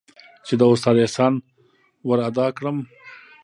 چې د استاد احسان ورادا كړم.